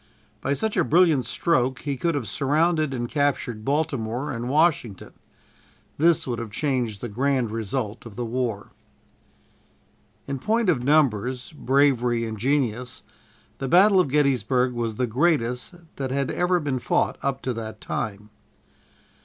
By such a brilliant stroke he could have surrounded and captured Baltimore and Washington. This would have changed the grand result of the war. In point of numbers, bravery and genius, the battle of Gettysburg was the greatest that had ever been fought up to that time.